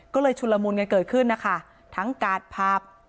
ก็เลยชุนละมุนกันเกิดขึ้นนะคะทั้งกาดผับ